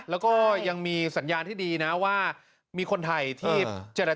แล้วก็ยังมีสัญญาณที่ดีนะว่ามีคนไทยที่เจร